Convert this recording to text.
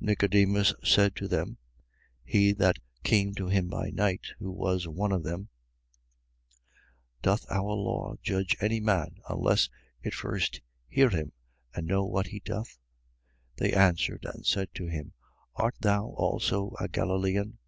7:50. Nicodemus said to them (he that came to him by night, who was one of them): 7:51. Doth our law judge any man, unless it first hear him and know what he doth? 7:52. They answered and said to him: Art thou also a Galilean?